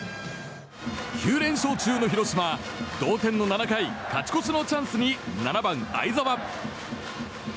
９連勝中の広島は同点の７回、勝ち越しのチャンスに７番、會澤。